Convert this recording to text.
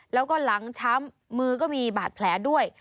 แล้วก็หลังช้ำมือก็มีบาดแผลด้วย